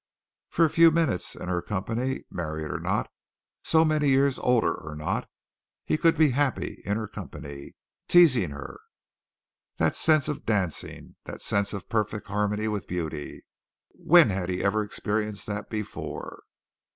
For a few minutes in her company, married or not, so many years older or not, he could be happy in her company, teasing her. That sense of dancing that sense of perfect harmony with beauty when had he ever experienced that before?